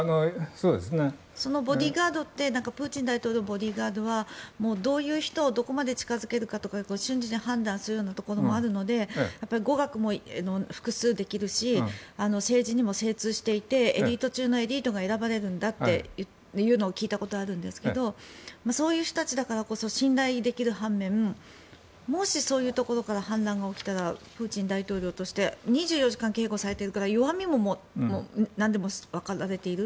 そのボディーガードってプーチン大統領のボディーガードはどういう人をどこまで近付けるかとか瞬時に判断するところもあるので語学も複数できるし政治にも精通していてエリート中のエリートが選ばれるんだというのを聞いたことがあるんですがそういう人たちだからこそ信頼できる半面もし、そういうところから反乱が起きたらプーチン大統領としては２４時間警護されているから弱みもなんでもわかられている。